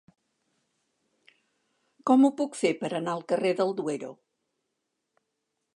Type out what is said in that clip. Com ho puc fer per anar al carrer del Duero?